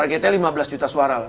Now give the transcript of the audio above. targetnya lima belas juta suara lah